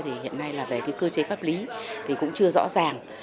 thì hiện nay là về cái cơ chế pháp lý thì cũng chưa rõ ràng